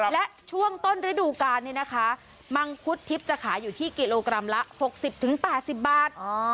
และช่วงต้นฤดูกาลนี้นะคะมังคุดทิพย์จะขายอยู่ที่กิโลกรัมละ๖๐๘๐บาท